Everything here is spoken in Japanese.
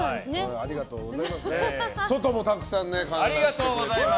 ありがとうございます。